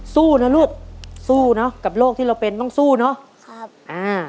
สู้นะลูกสู้เนาะกับโลกที่เราเป็นต้องสู้เนาะ